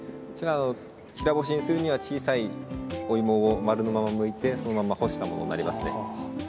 こちら平干しにするには小さいお芋を、丸のままむいてそのまま干したものになりますね。